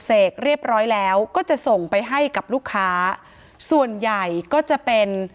เสกเรียบร้อยแล้วก็จะส่งไปให้กับลูกค้าส่วนใหญ่ก็จะเป็น